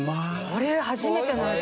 これ初めての味。